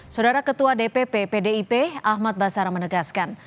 saudara ketua dpp pdip ahmad basara menegaskan